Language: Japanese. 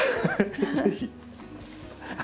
ぜひ。